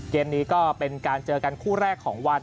เกมนี้ก็เป็นการเจอกันคู่แรกของวัน